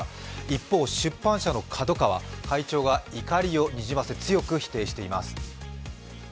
一方、出版社のＫＡＤＯＫＡＷＡ、会長が怒りをにじませ、強く否定しています。